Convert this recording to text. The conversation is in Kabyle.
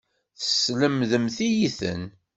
Teslemdem-iyi-ten.